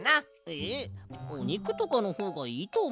えっおにくとかのほうがいいとおもうぞ。